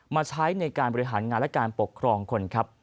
มาใช้ในการบริหารงานและการปกครองคนครับ